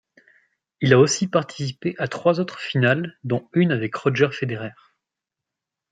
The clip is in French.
Il a aussi participé à trois autres finales dont une avec Roger Federer.